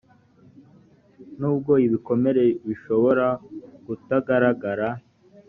nubwo ibikomere bishobora kutagaragara